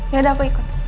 gak ada apa ikut